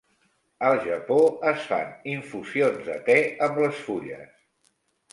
Al Japó, es fan infusions de te amb les fulles.